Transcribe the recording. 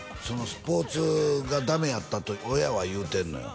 スポーツがダメやったと親は言うてんのよ